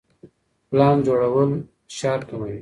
پلان جوړول فشار کموي.